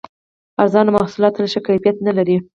ارزانه محصولات تل ښه کیفیت نه لري.